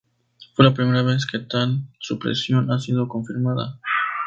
Fue la primera vez que tal supresión ha sido confirmada.